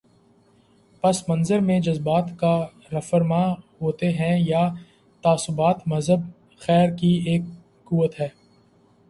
پس منظر میں جذبات کارفرما ہوتے ہیں یا تعصبات مذہب خیر کی ایک قوت ہے۔